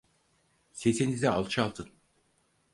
Sesinizi alçaltın.